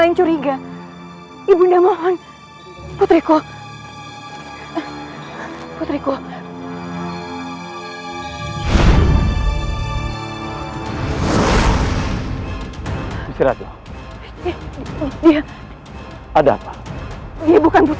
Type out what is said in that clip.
aku harus mencari tempat yang lebih aman